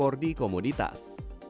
terhadap ekspor di komoditas